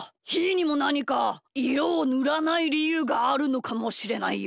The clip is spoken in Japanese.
なにかいろをぬらないりゆうがあるのかもしれないよ。